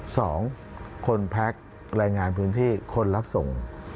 สองคนแพ็ครายงานพื้นที่คนรับส่ง